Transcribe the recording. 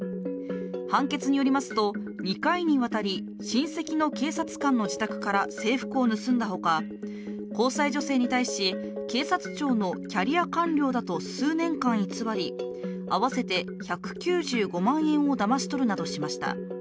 判決によりますと、２回にわたり、親戚の警察官の自宅から制服を盗んだほか、交際女性に対し、警察庁のキャリア官僚だと数年間偽り、合わせて１９５万円をだまし取るなどしました。